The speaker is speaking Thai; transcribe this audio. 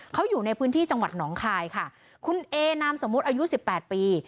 เขาอยู่ในพื้นที่จังหวัดหนองคายค่ะคุณเอนามสมมุติอายุสิบแปดปี